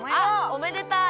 おめでたい！